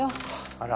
あら。